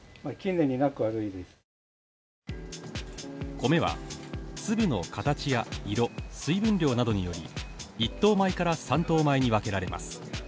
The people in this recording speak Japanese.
米は粒の形や色、水分量などにより、１等米から３等米に分けられます。